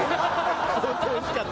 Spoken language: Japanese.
相当おいしかった。